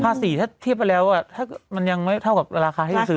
ภาษีถ้าเทียบไปแล้วมันยังไม่เท่ากับราคาให้ซื้อ